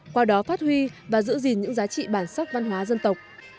qua đó phát huy và giữ gìn những giá trị bản sắc văn hóa dân tộc